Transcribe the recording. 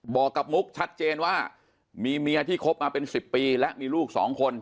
บอกกับมุกชัดเจนว่ามีเมียที่คบมาเป็น๑๐ปีและมีลูกสองคน